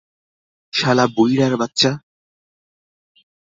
শালা বুইড়ার বাচ্চা!